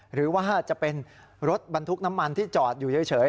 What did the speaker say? หรือว่าจะเป็นรถบรรทุกน้ำมันที่จอดอยู่เฉย